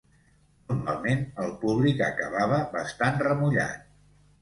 Normalment el públic acabava bastant remullat.